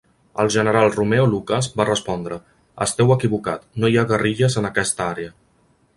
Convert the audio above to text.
El general Romeo Lucas va respondre, "Esteu equivocat, no hi ha guerrilles en aquesta àrea".